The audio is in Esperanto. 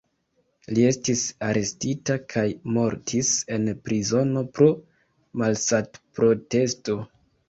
Li estis arestita kaj mortis en prizono pro malsatprotesto.